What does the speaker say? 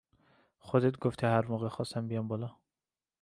خودت گفتی هر موقع خواستم بیام بالا